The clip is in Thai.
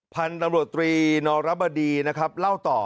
พันธุ์ตำรวจตรีนอรบดีนะครับเล่าต่อ